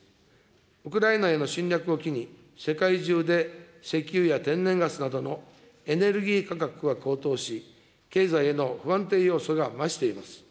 ウクライナへの侵略を機に世界中で石油や天然ガスなどのエネルギー価格が高騰し、経済への不安定要素が増しています。